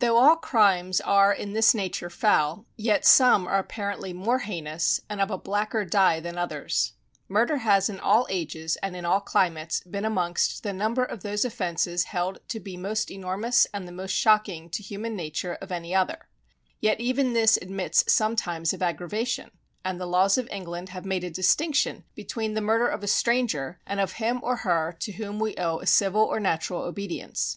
Though all crimes are in this nature foul, yet some are apparently more heinous, and of a blacker die than others. Murder has in all ages and in all climates been amongst the number of those offences held to be most enormous and the most shocking to human nature of any other; yet even this admits sometimes of aggravation, and the laws of England have made a distinction between the murder of a stranger, and of him or her to whom we owe a civil, or natural obedience.